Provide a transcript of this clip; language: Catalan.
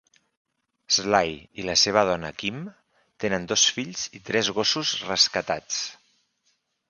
Slay i la seva dona Kim tenen dos fills i tres gossos rescatats.